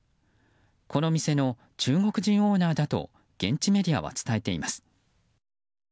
この店の中国人オーナーだと現地メディアは伝えています。